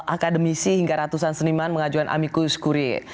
akademisi hingga ratusan seniman mengajuan amicus curie